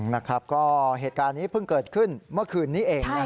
นะครับก็เหตุการณ์นี้เพิ่งเกิดขึ้นเมื่อคืนนี้เอง